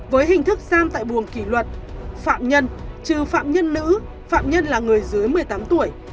với hình thức giam tại buồng kỷ luật phạm nhân trừ phạm nhân nữ phạm nhân là người dưới một mươi tám tuổi